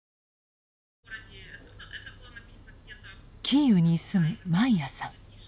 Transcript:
キーウに住むマイヤさん。